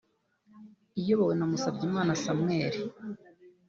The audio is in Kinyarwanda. iyobowe na Musabyimana Samuel